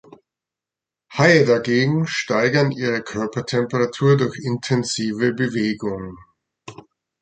Haie dagegen steigern ihre Körpertemperatur durch intensive Bewegung.